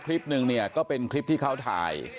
คลิปหนึ่งเนี่ยก็เป็นคลิปที่เขาถ่าย